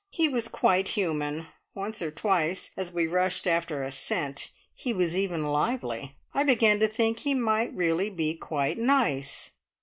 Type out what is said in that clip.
He was quite human; once or twice, as we rushed after a "scent," he was even lively. I began to think he might really be quite nice.